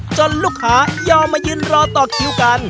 ลูกค้ายอมมายืนรอต่อคิวกัน